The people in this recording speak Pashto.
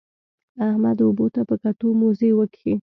احمد اوبو ته په کتو؛ موزې وکښې.